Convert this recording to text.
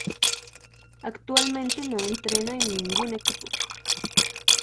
Actualmente no entrena en ningún equipo.